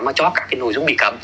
mà cho các cái nội dung bị cấm